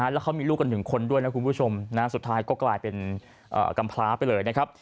แล้วเขามีลูกกัน๑คนด้วยนะคุณผู้ชมสุดท้ายก็กลายเป็นกำพลาไปเลยนะครับ